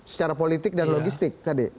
secara politik dan logistik tadi